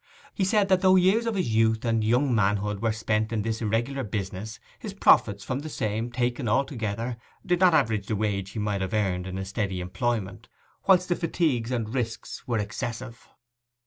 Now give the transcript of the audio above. He said that though years of his youth and young manhood were spent in this irregular business, his profits from the same, taken all together, did not average the wages he might have earned in a steady employment, whilst the fatigues and risks were excessive.